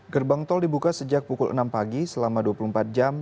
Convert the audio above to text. gerbang tol dibuka sejak pukul enam pagi selama dua puluh empat jam